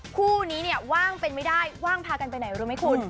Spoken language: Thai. คู่นี้เนี่ยว่างเป็นไม่ได้ว่างพากันไปไหนรู้ไหมคุณ